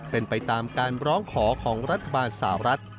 เป็นไปตามการร้องขอของรัฐบาลสาวรัฐ